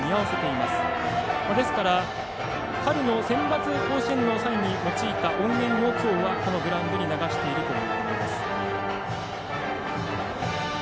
ですから春のセンバツ甲子園の際に用いた音源をきょうはこのグラウンドに流しているということです。